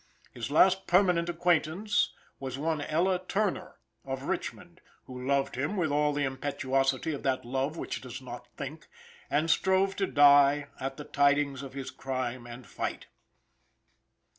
His last permanent acquaintance was one Ella Turner, of Richmond, who loved him with all the impetuosity of that love which does not think, and strove to die at the tidings of his crime and fight.